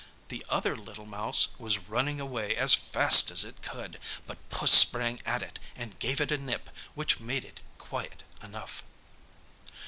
The other little mouse was running away as fast as it could, but Puss sprang at it and gave it a nip which made it quiet enough.